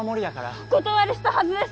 お断りしたはずです